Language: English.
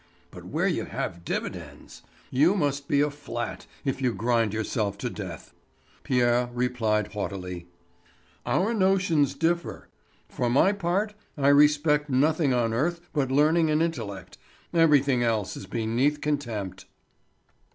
But where you have dividends! You must be a flat if you grind yourself to death." Pierre replied haughtily: "Our notions differ. For my part, I respect nothing on earth but learning and intellect; everything else is beneath contempt."